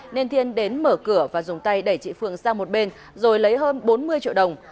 nên thiên đến mở cửa và dùng tay đẩy chị phượng sang một bên rồi lấy hơn bốn mươi triệu đồng